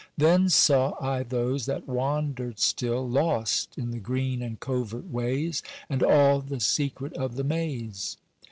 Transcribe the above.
Then saw I those that wandered still Lost in the green and covert ways, And all the secret of the maze.